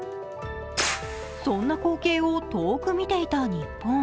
そんな光景を遠く見ていた日本。